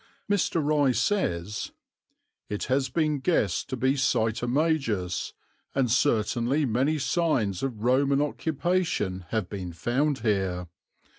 Mr. Rye says: "It has been guessed to be Sitomagus, and certainly many signs of Roman occupation have been found here.